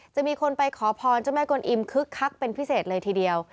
จะมีคนไปขอพรเจ้าแม่กลอิมคึกคักเป็นพิเศษเลยทีเดียว